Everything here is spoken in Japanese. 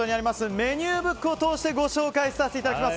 メニューブックをお通してご紹介させていただきます。